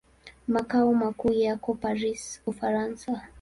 Makao makuu yako Paris, Ufaransa.